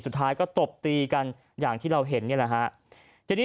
สุดท้ายก็ตบตีกันอย่างที่เราเห็นนี่แหละฮะทีนี้